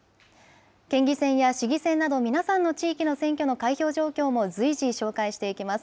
県議選や市議選など、皆さんの地域の選挙の開票状況も随時、紹介していきます。